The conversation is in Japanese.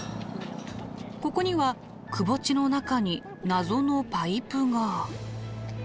ここには窪地の中に謎のパイプが。